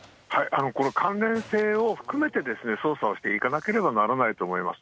この関連性を含めて捜査をしていかなければならないと思います。